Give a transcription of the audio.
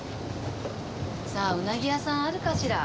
さあうなぎ屋さんあるかしら？